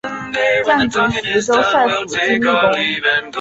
降级徐州帅府经历官。